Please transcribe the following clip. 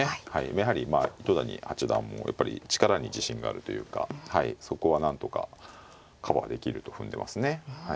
やはりまあ糸谷八段もやっぱり力に自信があるというかそこはなんとかカバーできると踏んでますね。